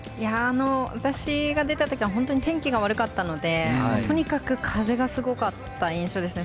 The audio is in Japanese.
私が出た時は本当に天気が悪かったのでとにかく風がすごかった印象ですね。